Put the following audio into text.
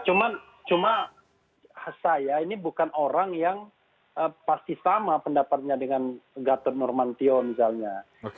cuma saya ini bukan orang yang pasti sama pendapatnya dengan gatot nurmantio misalnya